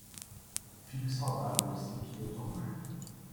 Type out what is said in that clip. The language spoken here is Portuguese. Fique saudável assim que o tomar